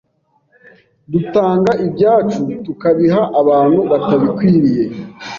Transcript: Dutanga ibyacu tukabiha abantu batabikwiriye